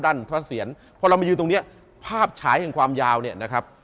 พระเสียรพอเรามายืนตรงเนี้ยภาพฉายแห่งความยาวเนี่ยนะครับ